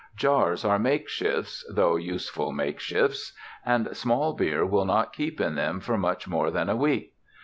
Jars are makeshifts, though useful makeshifts: and small beer will not keep in them for much more than a week.